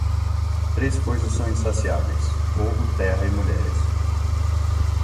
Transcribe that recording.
Três coisas são insaciáveis: fogo, terra e mulheres.